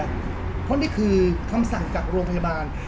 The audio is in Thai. เพราะนี่คือคำสั่งจากโรงพยาบาล